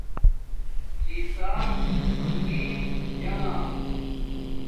ڎی ڎاک ہوئئ نے جام